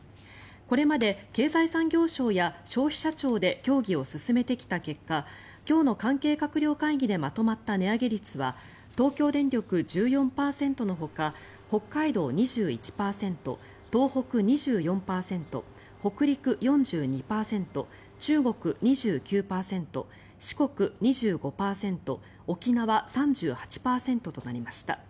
これまで経済産業省や消費者庁で協議を進めてきた結果今日の関係閣僚会議でまとまった値上げ率は東京電力、１４％のほか北海道、２１％東北、２４％北陸、４２％中国、２９％四国、２５％沖縄、３８％となりました。